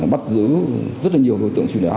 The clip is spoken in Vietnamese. bắt giữ rất nhiều đối tượng truy nã